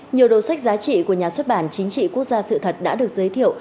nhiều đầu sách giá trị của nhà xuất bản chính trị quốc gia sự thật đã được giới thiệu